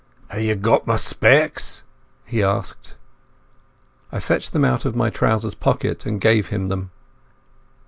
"Hae ye got my specs?" he asked. I fetched them out of my trouser pocket and gave him them.